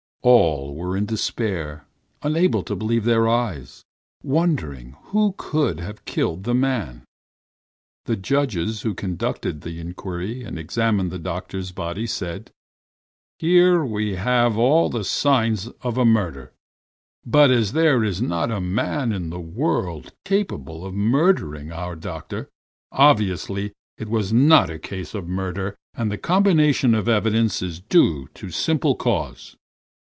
All were in despair, unable to believe their eyes, wondering who could have killed the man. The judges who conducted the inquiry and examined the doctor's body said: 'Here we have all the signs of a murder, but as there is not a man in the world capable of murdering our doctor, obviously it was not a case of murder, and the combination of evidence is due to simple chance.